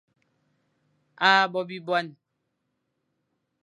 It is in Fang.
A Bo bibuane.